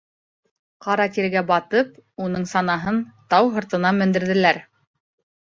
Ҡара тиргә батып, уның санаһын тау һыртына мендерҙеләр.